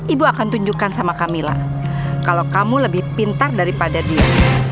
ibu akan tunjukkan sama kamila kalau kamu lebih pintar daripada dia